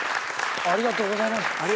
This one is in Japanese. ありがとうございます。